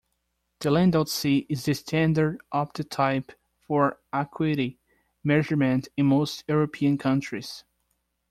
The Landolt C is the standard optotype for acuity measurement in most European countries.